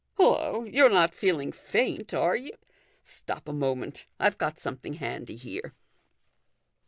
Hullo ! you're not feeling faint, are you ? Stop a moment ; I've got something handy here."